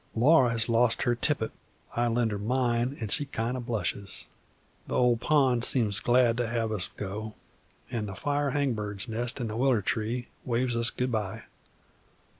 Laura has lost her tippet; I lend her mine, an' she kind o' blushes. The old pond seems glad to have us go, and the fire hangbird's nest in the willer tree waves us good by.